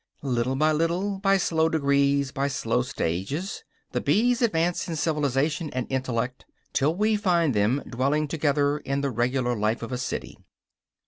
Little by little, by slow degrees and slow stages, the bees advance in civilization and intellect till we find them dwelling together in the regular life of a city.